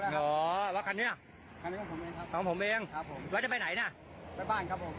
เริ่มมาให้ผมกระดับมาดู